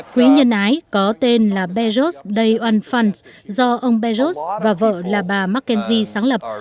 quỹ nhân ái có tên là bezos day one fund do ông bezos và vợ là bà mckenzie sáng lập